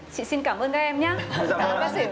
chị xin cảm ơn các em nhé